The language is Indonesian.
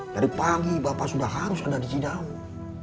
dari pagi bapak sudah harus ada di sidang